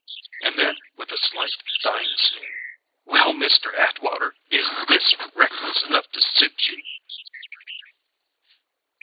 And then with a slight, dying sneer: "Well, Mr. Atwater, is this reckless enough to suit you?"